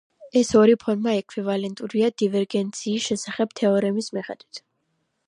ეს ორი ფორმა ექვივალენტურია დივერგენციის შესახებ თეორემის მიხედვით.